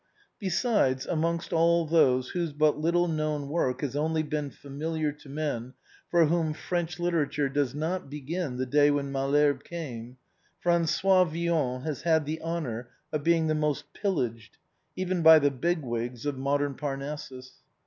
Besides, amongst all those whose but little known work ORIGINAL PREFACE. XXXlll has only been familiar to men for whom French literature does not begin the day when " Malherbe came/' Françoie Villon has had the honor of being the most pillaged, even by the big wigs of modern Parnassus.